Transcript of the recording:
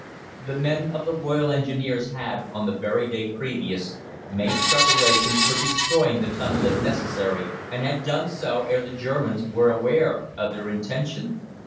The men of the Royal Engineers had, on the very day previous, made preparations for destroying the tunnel if necessary, and had done so ere the Germans were aware of their intention.